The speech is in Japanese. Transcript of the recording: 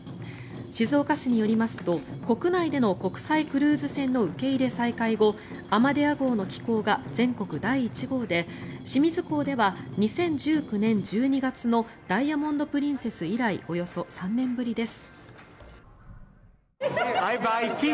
静岡市によりますと、国内での国際クルーズ船の受け入れ再開後「アマデア号」の寄港が全国第１号で清水港では２０１９年１２月の「ダイヤモンド・プリンセス」以来およそ３年ぶりです。